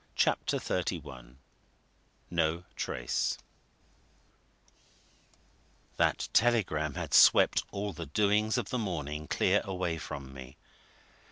CHAPTER XXXI NO TRACE That telegram had swept all the doings of the morning clear away from me.